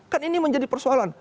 kan ini menjadi persoalan